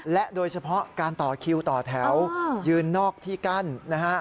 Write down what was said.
และโดยเฉพาะการต่อคิวต่อแถวยืนนอกที่กั้นนะฮะ